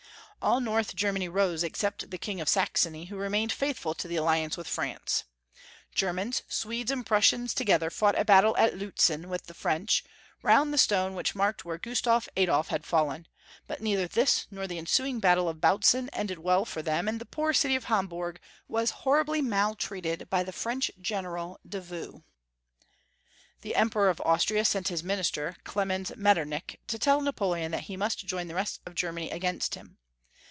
All North Germany rose except the King of Sax ony, who remained faithful to the alliance with France. Germans, Swedes, and Prussians together fought a battle at Liitzen with the French, round the stone which marked where Gustaf Adolf had fallen, but neither this nor the ensuing battle of Bautzen ended well for them, and the poor city of Hamburg was horribly maltreated by the French General Davoust. The Emperor of Austria sent his minister, Clemens Metternich, to tell Napoleon that he must join the rest of Germany against him.